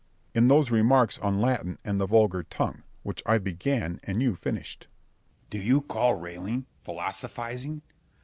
Berg. In those remarks on Latin and the vulgar tongue, which I began and you finished. Scip. Do you call railing philosophising?